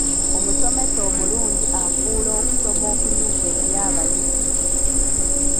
Omusomesa omulungi afuula okusoma okunyuvu eri abayizi.